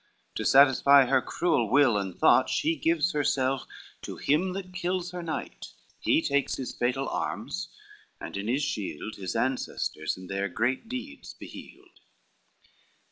To satisfy her cruel will and thought, She gives herself to him that kills her knight: He takes his fatal arms, and in his shield His ancestors and their great deeds beheld.